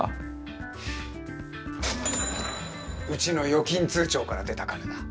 うちの預金通帳から出た金だ。